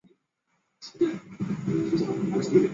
国家文物局分管领导也专门发来唁电。